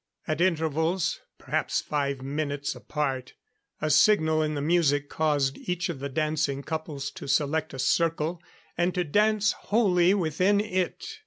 At intervals perhaps five minutes apart a signal in the music caused each of the dancing couples to select a circle and to dance wholly within it.